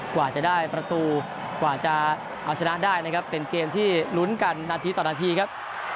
กว่าจะได้ประตูกว่าจะเอาชนะได้นะครับเป็นเกมที่ลุ้นกันนาทีต่อนาทีครับ